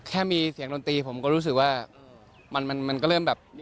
แค่มีเสียงดนตรีผมก็รู้สึกว่ามันก็เริ่มแบบ